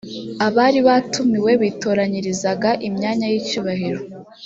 abari batumiwe bitoranyirizaga imyanya y’icyubahiro,